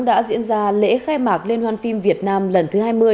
đã diễn ra lễ khai mạc lên hoàn phim việt nam lần thứ hai mươi